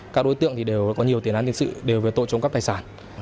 các đối tượng thì đều có nhiều tiền án tiền sự đều về tội trống cắp tài sản